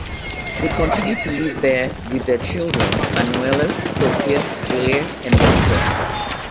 They continue to live there with their children, Manoela, Sofia, Julia and Rafael.